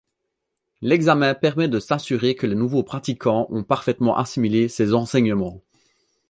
L’examen permet de s’assurer que les nouveaux pratiquants ont parfaitement assimilés ces enseignements.